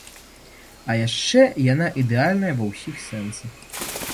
А яшчэ яна ідэальная ва ўсіх сэнсах.